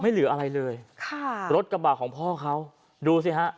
เหลืออะไรเลยค่ะรถกระบะของพ่อเขาดูสิฮะ